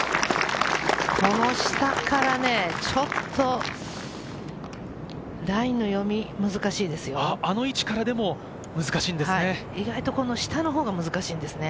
この下からちょっとあの位置からでも難しいんですね。